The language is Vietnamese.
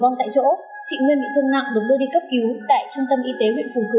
vong tại chỗ chị nguyên bị thương nặng được đưa đi cấp cứu tại trung tâm y tế huyện phù